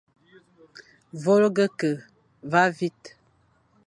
Vôlge ke, va vite.